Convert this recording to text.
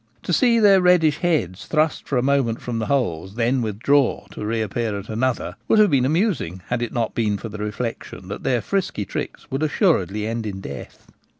To see their reddish heads thrust for a moment from the holes, then withdrawn to reappear at another, would have been amusing had it not been for the reflection that their frisky tricks would assuredly end in death.